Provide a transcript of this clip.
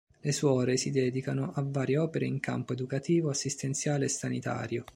Le suore si dedicano a varie opere in campo educativo, assistenziale e sanitario.